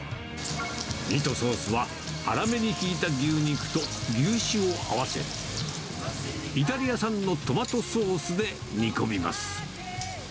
ミートソースは粗めにひいた牛肉と牛脂を合わせ、イタリア産のトマトソースで煮込みます。